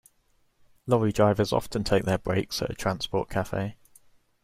Lorry drivers often take their breaks at a transport cafe